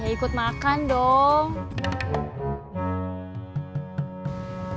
ya ikut makan dong